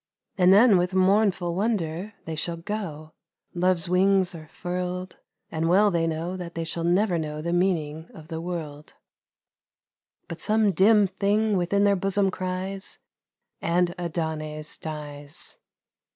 ON A DEAD YOUTH And then with mournful wonder they shall go, Love's wings are furled, And well they know that they shall never know The meaning of the world, But some dim thing within their bosom cries, And Adonais dies.